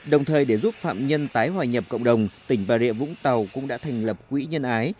đồng thời để giúp phạm nhân tái hòa nhập cộng đồng tỉnh bà rịa vũng tàu cũng đã thành lập quỹ nhân ái